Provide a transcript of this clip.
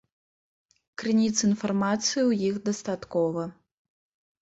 Крыніц інфармацыі ў іх дастаткова.